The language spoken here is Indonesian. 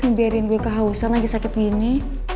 ngebiarin gue kehausan lagi sakit gini